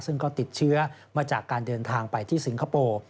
ซึ่งก็ติดเชื้อมาจากการเดินทางไปที่สิงคโปร์